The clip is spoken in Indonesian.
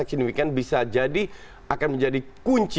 signifikan bisa jadi akan menjadi kunci